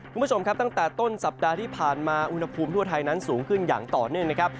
คุณผู้ชมครับตั้งแต่ต้นสัปดาห์ที่ผ่านมาอุณหภูมิทั่วไทยนั้นสูงขึ้นอย่างต่อเนื่องนะครับ